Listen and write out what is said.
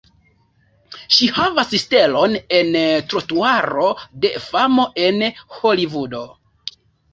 Ŝi havas stelon en Trotuaro de famo en Holivudo.